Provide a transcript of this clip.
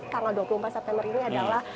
tanggal dua puluh empat september ini adalah